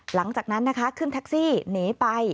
หลังจากนั้นนะคะขึ้นแท็กซี่หนีไป